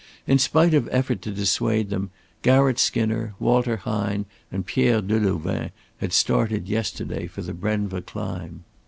In spite of effort to dissuade them, Garratt Skinner, Walter Hine and Pierre Delouvain had started yesterday for the Brenva climb.